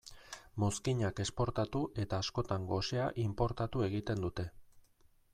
Mozkinak esportatu eta askotan gosea inportatu egiten dute.